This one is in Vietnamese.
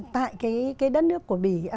tại cái đất nước của bỉ